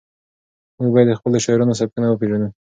موږ باید د خپلو شاعرانو سبکونه وپېژنو.